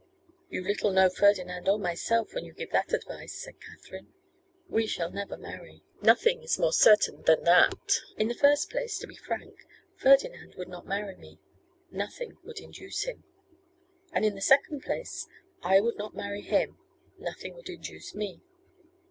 'You little know Ferdinand or myself, when you give that advice,' said Katherine. 'We shall never marry; nothing is more certain than that. In the first place, to be frank, Ferdinand would not marry me, nothing would induce him; and in the second place, I would not marry him, nothing would induce me.